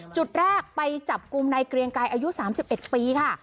จุดแรกไปจับกลุ่มในเกรียงไกรอายุ๓๑ปีค่ะ